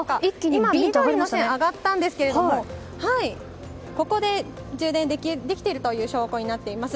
今、緑の線が上がったんですがここで充電できているという証拠になっています。